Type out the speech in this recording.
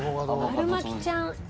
春巻きちゃん！